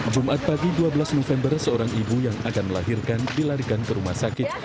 jumat pagi dua belas november seorang ibu yang akan melahirkan dilarikan ke rumah sakit